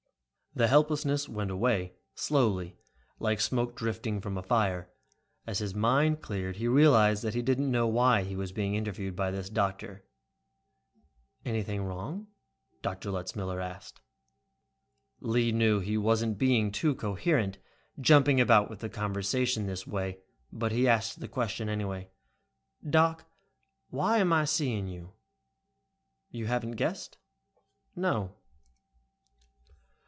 The helplessness went away, slowly, like smoke drifting from a fire. As his mind cleared, he realized that he didn't know why he was being interviewed by this doctor. "Anything wrong?" Dr. Letzmiller asked. Lee knew he wasn't being too coherent, jumping about with the conversation this way, but he asked the question, anyway. "Doc, why am I seeing you?" "You haven't guessed?" "No."